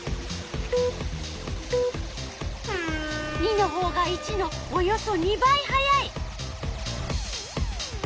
②のほうが①のおよそ２倍速い！